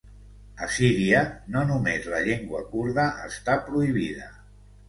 A Síria, no només la llengua kurda està prohibida.